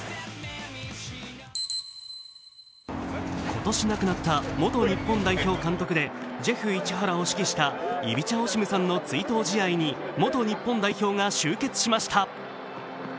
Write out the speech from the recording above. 今年亡くなった元日本代表監督でジェフ市原を指揮したイビチャ・オシムさんの追悼試合に元日本代表が集結しました。